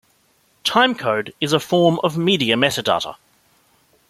Timecode is a form of media metadata.